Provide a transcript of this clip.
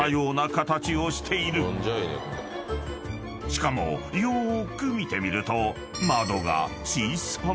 ［しかもよーく見てみると］